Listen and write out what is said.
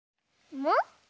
「もっ？